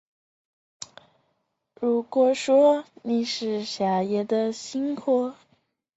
管辖范围主要在今浙江省湖州市南浔区和江苏省吴江市平望老运河以南地区。